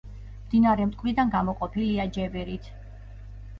მდინარე მტკვრიდან გამოყოფილია ჯებირით.